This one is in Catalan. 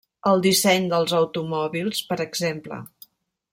El disseny dels automòbils, per exemple.